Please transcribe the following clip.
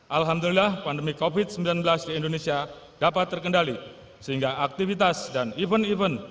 alhamdulillah pandemi covid sembilan belas di indonesia dapat terkendali sehingga aktivitas dan event event